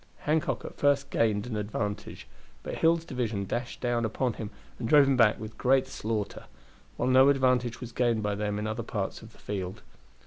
Hancock at first gained an advantage, but Hill's division dashed down upon him and drove him back with great slaughter; while no advantage was gained by them in other parts of the field.